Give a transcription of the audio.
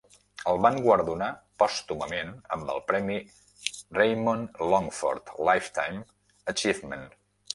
El van guardonar pòstumament amb el premi Raymond Longford Lifetime Achievement.